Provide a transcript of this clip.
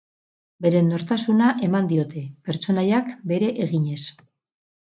Beren nortasuna eman diote, pertsonaiak bere eginez.